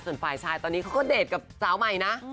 ส่วนฝ่ายชายตอนนี้เขาก็เดทกับสาวใหม่นะ